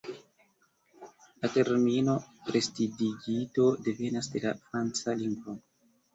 La termino "prestidigito" devenas de la franca lingvo.